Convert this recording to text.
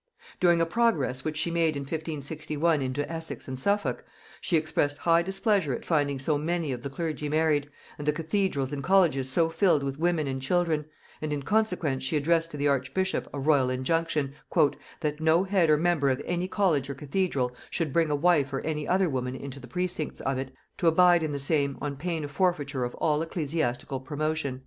During a progress which she made in 1561 into Essex and Suffolk, she expressed high displeasure at finding so many of the clergy married, and the cathedrals and colleges so filled with women and children; and in consequence she addressed to the archbishop a royal injunction, "that no head or member of any college or cathedral should bring a wife or any other woman into the precincts of it, to abide in the same, on pain of forfeiture of all ecclesiastical promotion."